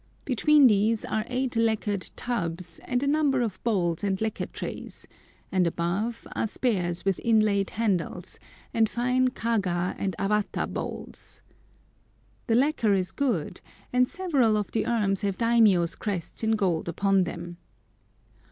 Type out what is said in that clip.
Behind these are eight lacquered tubs, and a number of bowls and lacquer trays, and above are spears with inlaid handles, and fine Kaga and Awata bowls. The lacquer is good, and several of the urns have daimiyô's crests in gold upon them.